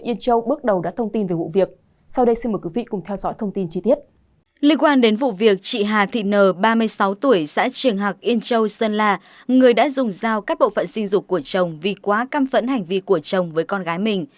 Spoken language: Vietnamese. ba mươi sáu tuổi xã trường hạc yên châu sơn la người đã dùng dao các bộ phận sinh dục của chồng vì quá căm phẫn hành vi của chồng với con gái mình